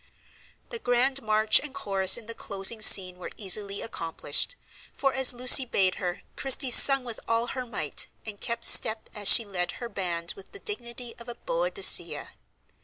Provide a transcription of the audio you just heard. The grand march and chorus in the closing scene were easily accomplished; for, as Lucy bade her, Christie "sung with all her might," and kept step as she led her band with the dignity of a Boadicea.